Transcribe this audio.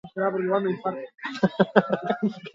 Errehabilitazio gisa hasi zen igeriketan.